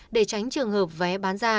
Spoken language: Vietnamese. để tránh trường hợp vé bán